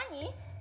え